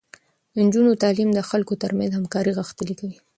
د نجونو تعليم د خلکو ترمنځ همکاري غښتلې کوي.